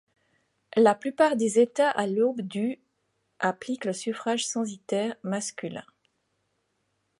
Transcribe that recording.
La plupart des États à l'aube du appliquent le suffrage censitaire masculin.